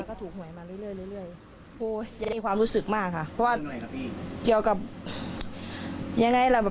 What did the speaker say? โอ้ยยังมีความรู้สึกมากค่ะเพราะว่าเกี่ยวกับยังไงแหละ